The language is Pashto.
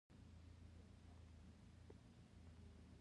د مولی شیره د تیږې لپاره وکاروئ